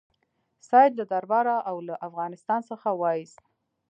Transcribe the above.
سید له درباره او له افغانستان څخه وایست.